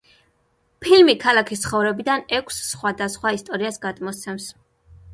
ფილმი ქალაქის ცხოვრებიდან ექვს სხვადასხვა ისტორიას გადმოსცემს.